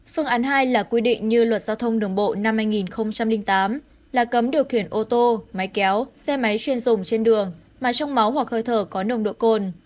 phương án hai là quy định như luật giao thông đường bộ năm hai nghìn tám là cấm điều khiển ô tô máy kéo xe máy chuyên dùng trên đường mà trong máu hoặc hơi thở có nồng độ cồn